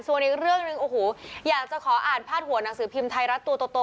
ส่วนอีกเรื่องหนึ่งโอ้โหอยากจะขออ่านพาดหัวหนังสือพิมพ์ไทยรัฐตัวโต